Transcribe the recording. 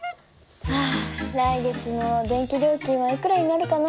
あ来月の電気料金はいくらになるかな？